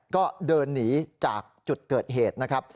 ก็เดินหนีจากจุดเกิดเหตุนะครับ